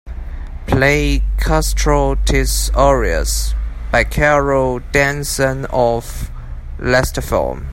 Play Kastro Tis Orias by Karl Denson off Lastfm.